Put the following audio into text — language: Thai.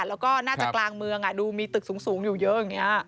แล้วก็น่าจะกลางเมืองดูมีตึกสูงอยู่เยอะอย่างนี้